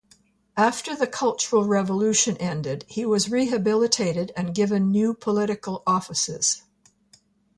After the Cultural Revolution ended, he was rehabilitated and given new political offices.